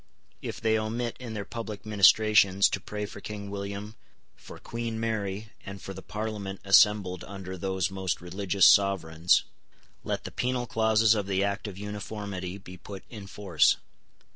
If they omit, in their public ministrations, to pray for King William, for Queen Mary, and for the Parliament assembled under those most religious sovereigns, let the penal clauses of the Act of Uniformity be put in force.